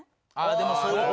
でもそういう事。